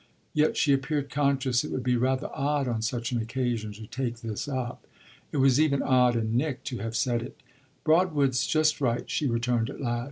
Yet she appeared conscious it would be rather odd on such an occasion to take this up. It was even odd in Nick to have said it. "Broadwood's just right," she returned at last.